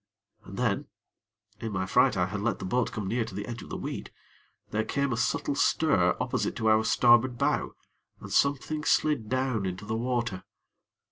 And then (in my fright I had let the boat come near to the edge of the weed) there came a subtle stir opposite to our starboard bow, and something slid down into the water.